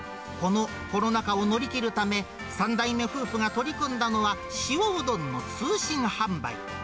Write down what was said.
このコロナ禍を乗り切るため、３代目夫婦が取り組んだのは、塩うどんの通信販売。